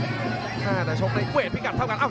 เอ้าเจอกันมันขวา